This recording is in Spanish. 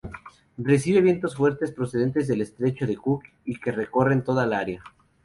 Recibe vientos fuertes procedentes del estrecho de Cook y que recorren toda el área.